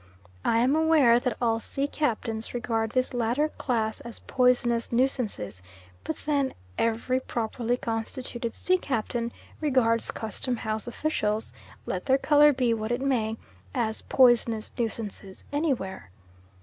I am aware that all sea captains regard this latter class as poisonous nuisances, but then every properly constituted sea captain regards custom house officials, let their colour be what it may, as poisonous nuisances anywhere.